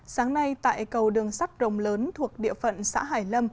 sáng nay tại cầu đường sắt rồng lớn thuộc địa phận xã hải lâm